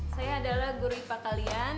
saya adalah guru ipa kalian